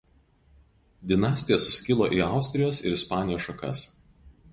Dinastija suskilo į Austrijos ir Ispanijos šakas.